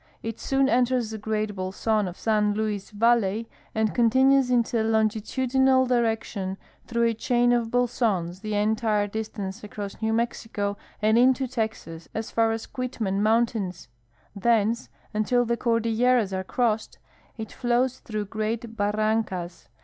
It soon enters the great bolson of San Luis valley and continues in a longitudinal direction through a chain of bolsons the entire distance across New Mexico and into Texas as far as Quitman mountains. Thence, until the Cordilleras are crossed, it flows through great barrancas.